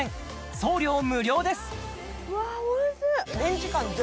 送料無料です